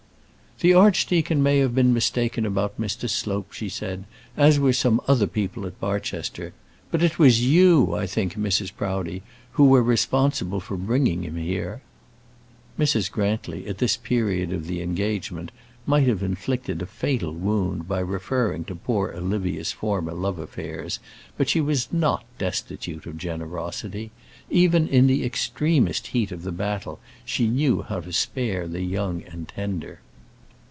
"The archdeacon may have been mistaken about Mr. Slope," she said, "as were some other people at Barchester. But it was you, I think, Mrs. Proudie, who were responsible for bringing him here." Mrs. Grantly, at this period of the engagement, might have inflicted a fatal wound by referring to poor Olivia's former love affairs, but she was not destitute of generosity. Even in the extremest heat of the battle she knew how to spare the young and tender.